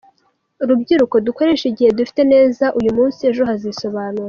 Rubyiruko dukoreshe igihe dufite neza uyu munsi, ejo hazisobanura.